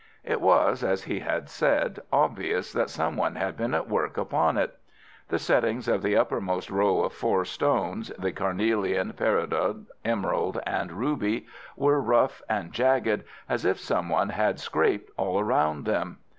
It was, as he had said, obvious that some one had been at work upon it. The settings of the uppermost row of four stones—the carnelian, peridot, emerald, and ruby were rough and jagged as if some one had scraped all round them.